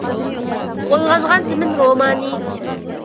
«ئويغانغان زېمىن» رومانى